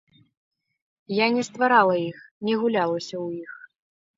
Я не стварала іх, не гулялася ў іх.